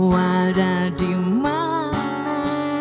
kau ada dimana